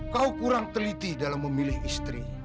kau kurang teliti dalam memilih istri